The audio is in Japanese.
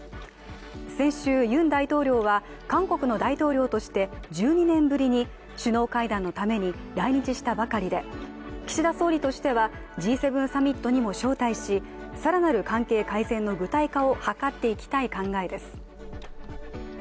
先週ユン大統領は、韓国の大統領として１２年ぶりに首脳会談のために来日したばかりで岸田総理としてはＧ７サミットにも招待し更なる関係改善の具体化を図っていきたい考えです。